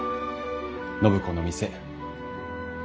暢子の店。